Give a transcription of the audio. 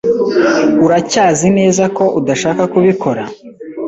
Uracyazi neza ko udashaka kubikora?